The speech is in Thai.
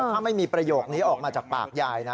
ถ้าไม่มีประโยคนี้ออกมาจากปากยายนะ